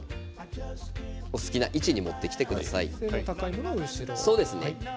お好きな位置に持ってきてください。